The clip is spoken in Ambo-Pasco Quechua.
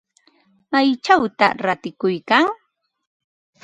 ¿Maychawta ratikuykan?